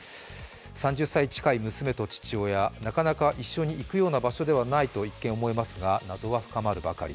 ３０歳近い娘と父親、なかなか一緒に行くような場所ではないと思いますが、謎は深まるばかり。